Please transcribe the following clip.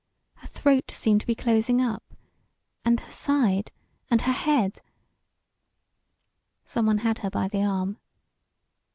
Her throat seemed to be closing up and her side and her head.... Someone had her by the arm.